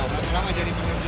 sudah berapa lama jadi penerjun